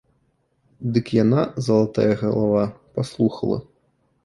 Дык яна, залатая галава, паслухала.